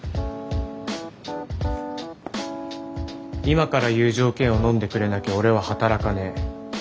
今から言う条件をのんでくれなきゃ俺は働かねえ。